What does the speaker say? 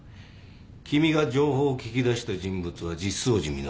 君が情報を聞き出した人物は実相寺実。